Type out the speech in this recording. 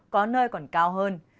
có nơi còn cao hơn